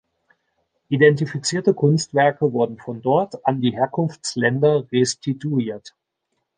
Identifizierte Kunstwerke wurden von dort an die Herkunftsländer restituiert.